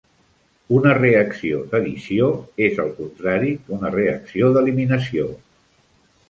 Una reacció d'addició és el contrari que una reacció d'eliminació.